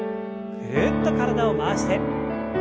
ぐるっと体を回して。